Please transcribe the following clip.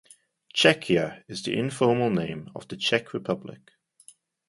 Czechia is the informal name of the Czech Republic.